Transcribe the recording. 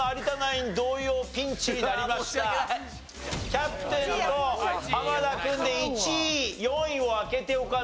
キャプテンと濱田君で１位４位を開けておかないと。